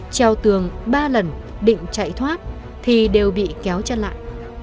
treo tường ba lần định chạy thoát thì đều bị kéo chân lại